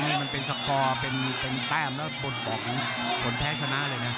นี่มันเป็นสกอร์เป็นแต้มแล้วบนของผลแพ้ชนะเลยนะ